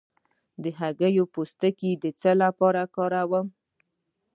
د هګۍ پوستکی د څه لپاره وکاروم؟